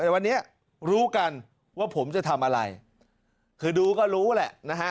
แต่วันนี้รู้กันว่าผมจะทำอะไรคือดูก็รู้แหละนะฮะ